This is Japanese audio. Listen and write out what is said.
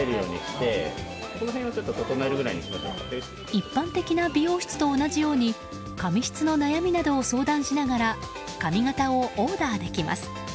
一般的な美容室と同じように髪質の悩みなどを相談しながら髪形をオーダーできます。